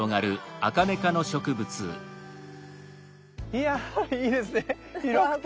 いやいいですね広くて。